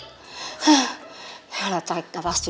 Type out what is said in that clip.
tarik nafas dulu tarik nafas dulu